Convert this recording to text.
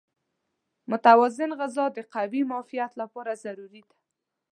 متوازن غذا د قوي معافیت لپاره ضروري ده.